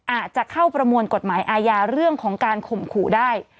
อาจจะเข้าประมวลกฎหมายอาญาเรื่องของการข่มขู่ได้